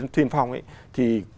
tiên phong ấy thì